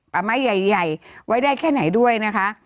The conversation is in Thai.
ป่าไม้ใหญ่ไว้ได้แค่ไหนด้วยนะคะ